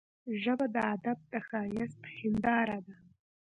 ژبه د ادب د ښايست هنداره ده